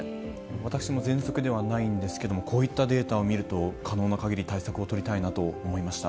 私もぜんそくではないんですけれども、こういったデータを見ると、可能なかぎり対策を取りたいなと思いました。